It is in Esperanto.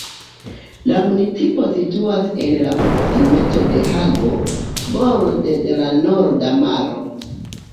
La municipo situas en la proksimeco de Hago, borde de la Norda Maro.